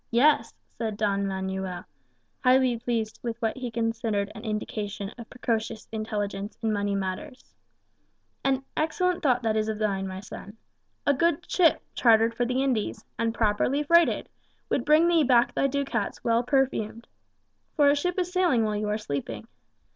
"Yes," said Don Manuel, highly pleased with what he considered an indication of precocious intelligence in money matters. "And an excellent thought that is of thine, my son. A good ship chartered for the Indies, and properly freighted, would bring thee back thy ducats well perfumed.[#] For a ship is sailing while you are sleeping.